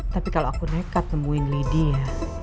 tapi kalau aku nekat nemuin lydia